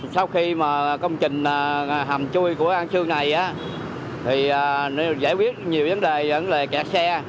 sau khi mà công trình hầm chui của an sơn này á thì nó giải quyết nhiều vấn đề gần lề kẹt xe